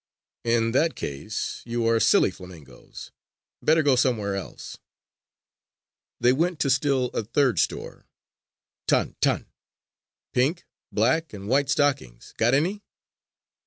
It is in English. "In that case you are silly flamingoes! Better go somewhere else!" They went to still a third store: "Tan! Tan! Pink, black and white stockings! Got any?"